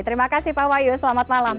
terima kasih pak wahyu selamat malam